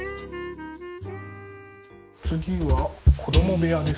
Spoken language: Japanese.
次は子供部屋です。